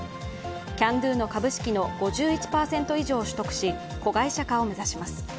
キャンドゥの株式の５１％以上を取得し、子会社化を目指します。